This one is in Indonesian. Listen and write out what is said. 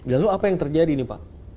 lalu apa yang terjadi nih pak